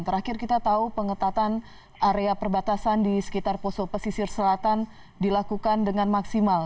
terakhir kita tahu pengetatan area perbatasan di sekitar poso pesisir selatan dilakukan dengan maksimal